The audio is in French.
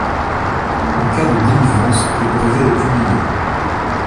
En cas de délivrance, le brevet est publié.